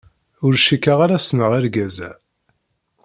Ur cikkeɣ ara ssneɣ argaz-a.